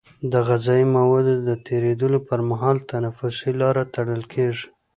د غذایي موادو د تیرېدلو پر مهال تنفسي لاره تړل کېږي.